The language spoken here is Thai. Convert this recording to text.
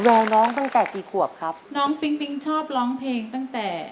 รอน้องตั้งแต่กี่ขวบครับน้องปิ๊งปิ๊งชอบร้องเพลงตั้งแต่